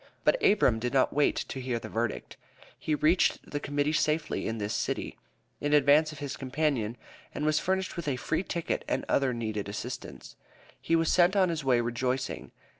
But Abram did not wait to hear the verdict. He reached the Committee safely in this city, in advance of his companion, and was furnished with a free ticket and other needed assistance, and was sent on his way rejoicing.